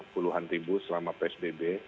puluhan ribu selama psbb